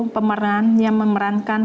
pemeran yang memerankan